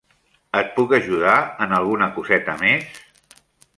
Et puc ajudar en alguna coseta més?